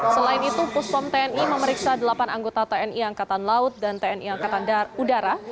selain itu puspom tni memeriksa delapan anggota tni angkatan laut dan tni angkatan darat udara